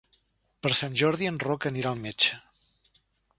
Per Sant Jordi en Roc anirà al metge.